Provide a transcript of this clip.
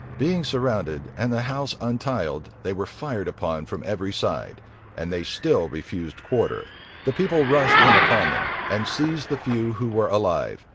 Being surrounded, and the house untiled, they were fired upon from every side; and they still refused quarter. The people rushed in upon them, and seized the few who were alive.